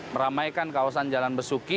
meramaikan kawasan jalan besuki